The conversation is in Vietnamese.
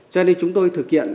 cho nên chúng tôi thực hiện